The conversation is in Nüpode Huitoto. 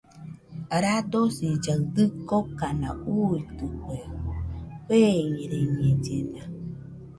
Radosillaɨ dɨkokana uitɨkue, feireñellena.